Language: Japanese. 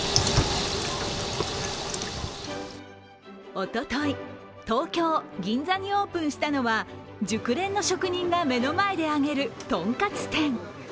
おととい、東京・銀座にオープンしたのは熟練の職人が目の前で揚げるとんかつ店。